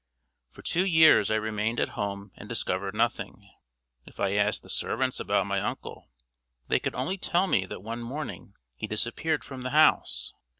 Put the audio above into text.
For two years I remained at home and discovered nothing. If I asked the servants about my uncle, they could only tell me that one morning he disappeared from the house.